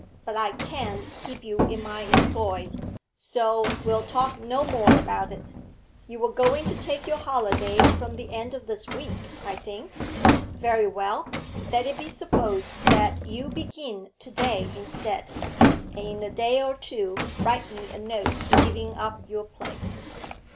But I can't keep you in my employ, so we'll talk no more about it. You were going to take your holiday from the end of this week, I think? Very well, let it be supposed that you begin to day instead, and in a day or two write me a note giving up your place.'